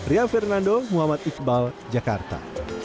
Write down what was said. rian fernando muhammad iqbal jakarta